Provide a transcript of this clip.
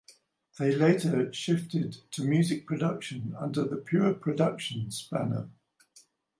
They later shifted to Music Production under the Pure Productions banner.